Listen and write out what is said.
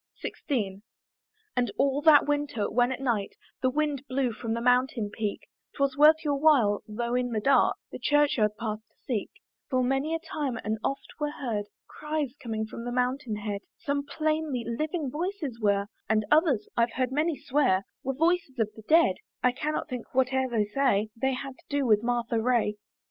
XVI. And all that winter, when at night The wind blew from the mountain peak, 'Twas worth your while, though in the dark, The church yard path to seek: For many a time and oft were heard Cries coming from the mountain head, Some plainly living voices were, And others, I've heard many swear, Were voices of the dead: I cannot think, whate'er they say, They had to do with Martha Ray.